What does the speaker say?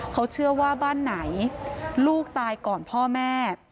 เขาเชื่อว่าบ้านไหนลูกตายก่อนพ่อแม่